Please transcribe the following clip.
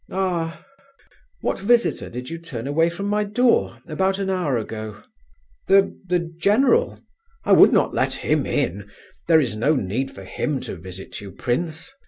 "Ah! What visitor did you turn away from my door, about an hour ago?" "The the general. I would not let him in; there is no need for him to visit you, prince...